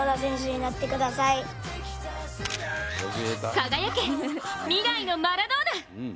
輝け、未来のマラドーナ！